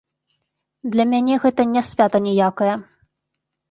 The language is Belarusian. Для мяне гэта не свята ніякае.